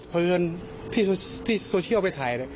เพราะเอิญที่โซเชียลไปถ่าย